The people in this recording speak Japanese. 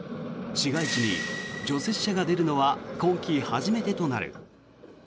市街地に除雪車が出るのは今季初めてとなる。